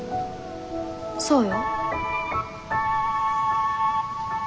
そうよ。